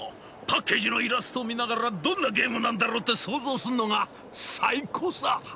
パッケージのイラストを見ながら『どんなゲームなんだろう？』って想像するのが最高さ」。